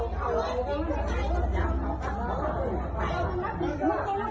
เจ้ากะเหงาดายเหนียวไป